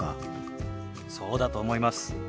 そうだと思います。